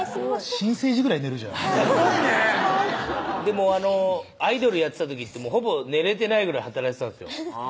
新生児ぐらい寝るじゃんすごいねでもアイドルやってた時ってほぼ寝れてないぐらい働いてたんですよ